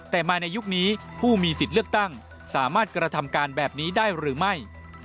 แต่มาในยุคนี้ผู้มีสิทธิ์เลือกตั้งสามารถกระทำการแบบนี้ได้หรือไม่